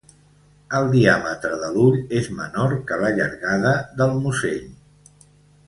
El diàmetre de l'ull és menor que la llargada del musell.